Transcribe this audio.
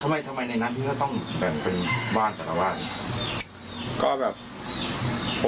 ใบหนึ่งราคา๓๐บาท